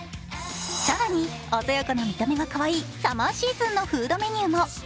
更に鮮やかな見た目がかわいいサマーシーズンのフードメニューも。